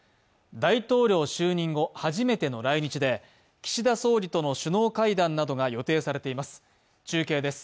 大統領就任後、初めての来日で岸田総理との首脳会談などが予定されています。